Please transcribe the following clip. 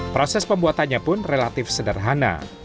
proses pembuatannya pun relatif sederhana